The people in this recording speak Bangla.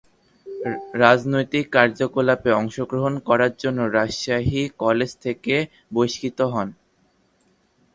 রাজনৈতিক কার্যকলাপে অংশগ্রহণ করার জন্য রাজশাহী কলেজ থেকে বহিষ্কৃত হন।